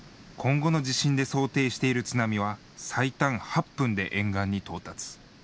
市が今後の地震で想定している津波は最短８分で沿岸に到達。